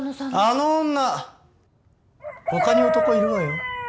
あの女他に男いるわよ。